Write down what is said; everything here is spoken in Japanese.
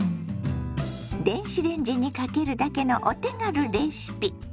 電子レンジにかけるだけのお手軽レシピ。